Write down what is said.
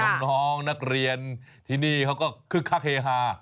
น้องนักเรียนที่นี่เขาก็คึกคักเฮฮา